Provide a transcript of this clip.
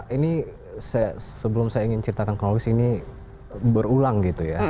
ini sebelum saya ingin ceritakan kronologis ini berulang gitu ya